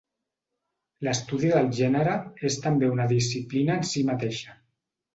L'estudi del gènere és també una disciplina en si mateixa.